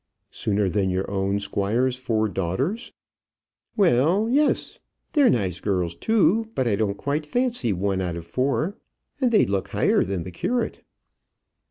"Sooner than your own squire's four daughters?" "Well, yes. They're nice girls too. But I don't quite fancy one out of four. And they'd look higher than the curate."